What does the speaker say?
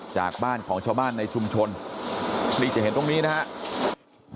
จากบ้านของชาวบ้านในชุมชนนี่จะเห็นตรงนี้นะครับ